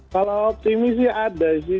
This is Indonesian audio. kalau optimis sih ada sih